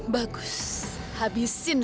ya udah yuk